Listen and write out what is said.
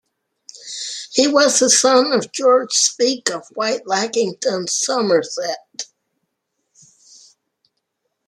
He was a son of George Speke of Whitelackington, Somerset.